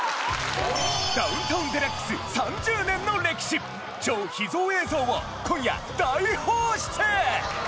『ダウンタウンＤＸ』３０年の歴史超秘蔵映像を今夜大放出！